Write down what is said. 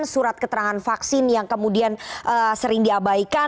surat keterangan vaksin yang kemudian sering diabaikan